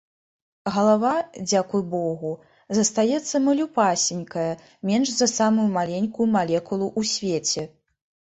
Галава — дзякуй Богу — застаецца малюпасенькай, меньш за самую маленькую малекулу ў свеце.